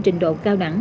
trình độ cao đẳng